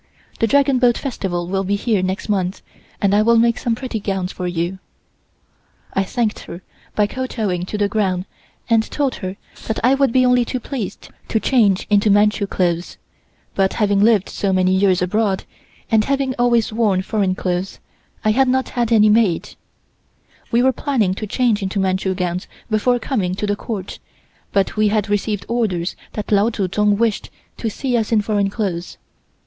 The Dragon Boat Festival will be here next month and I will make some pretty gowns for you." I thanked her by kowtowing to the ground and told her that I would be only too pleased to change into Manchu clothes, but having lived so many years abroad, and having always worn foreign clothes, I had not had any made. We were planning to change into Manchu gowns before coming to the Court, but we had received orders that Lao Tsu Tsung wished to see us in foreign clothes.